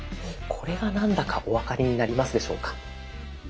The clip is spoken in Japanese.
これが何だかお分かりになりますでしょうか？